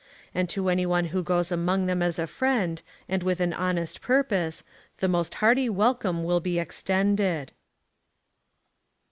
And to any one who goes among them as a friend, and with an honest purpose, the most hearty welcome will be extended.